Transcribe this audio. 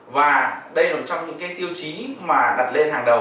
và đây là trong những tiêu chí mà đặt lên hàng đầu